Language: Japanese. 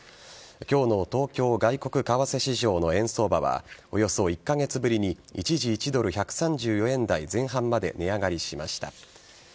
今日の東京外国為替市場の円相場はおよそ１カ月ぶりに一時１ドル１３４円台前半まで値上がりしました。